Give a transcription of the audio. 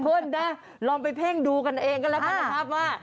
คุณนะลองไปเพ่งดูกันเองก็แล้วกันนะครับว่า